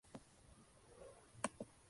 En "No Woman, No Cry", como se titula el libro.